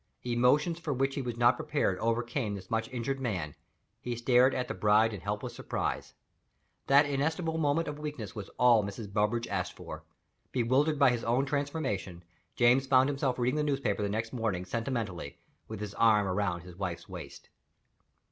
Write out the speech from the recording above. Emotions for which he was not prepared overcame this much injured man; he stared at the bride in helpless surprise. That inestimable moment of weakness was all Mrs. Bellbridge asked for. Bewildered by his own transformation, James found himself reading the newspaper the next morning sentimentally, with his arm round his wife's waist.